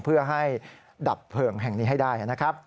เพื่อให้ดับเผลิงแห่งนี้ให้ได้